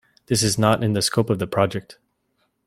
This is not in the scope of the project.